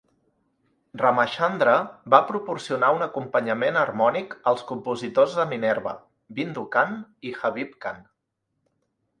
Ramachandra va proporcionar un acompanyament harmònic als compositors de Minerva Bindu Khan i Habib Khan.